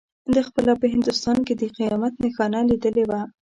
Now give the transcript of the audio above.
ده خپله په هندوستان کې د قیامت نښانه لیدلې وه.